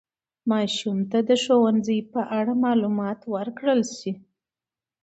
ماشوم ته د ښوونځي په اړه معلومات ورکړل شي.